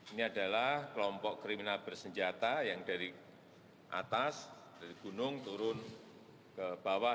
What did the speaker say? ini adalah kelompok kriminal bersenjata yang dari atas dari gunung turun ke bawah